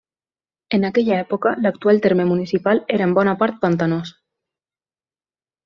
En aquella època l'actual terme municipal era en bona part pantanós.